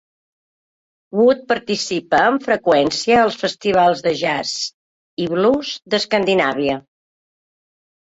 Wood participa amb freqüència als festivals de jazz i blues d'Escandinàvia.